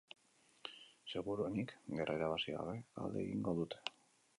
Seguruenik, gerra irabazi gabe alde egingo dute.